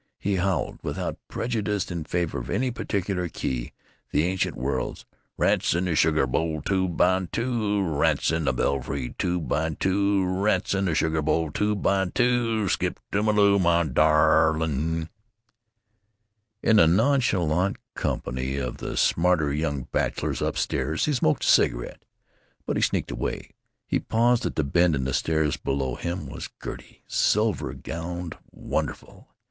He howled, without prejudice in favor of any particular key, the ancient words: "Rats in the sugar bowl, two by two, Bats in the belfry, two by two, Rats in the sugar bowl, two by two, Skip to Maloo, my darling." In the nonchalant company of the smarter young bachelors up stairs he smoked a cigarette. But he sneaked away. He paused at the bend in the stairs. Below him was Gertie, silver gowned, wonderful.